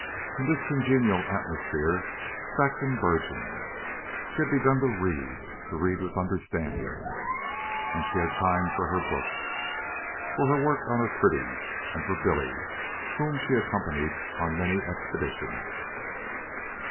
In this congenial atmosphere Saxon burgeoned. She had begun to read to read with understanding; and she had time for her books, for work on her pretties, and for Billy, whom she accompanied on many expeditions.